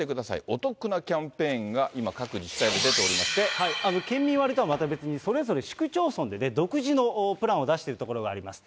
お得なキャンペーンが今、県民割とはまた別に、それぞれ市区町村で独自のプランを出している所があります。